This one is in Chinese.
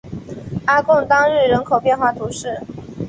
阿贡当日人口变化图示